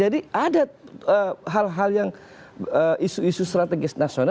dan juga pur